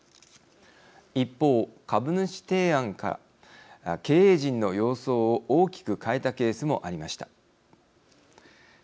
一方、株主提案が経営陣の様相を大きく変えたケースもありました。